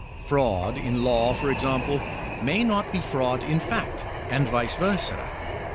Fraud in law, for example, may not be fraud in fact, and vice versa.